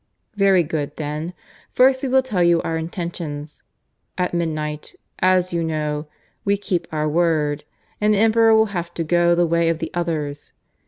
"Very good, then. ... First we will tell you our intentions. At midnight, as you know, we keep our word, and the Emperor will have to go the way of the others.